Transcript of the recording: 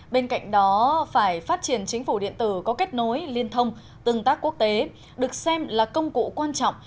bên cạnh đó phải phát triển chính phủ điện tử có kết nối liên thông tương tác quốc tế được xem là công cụ quan trọng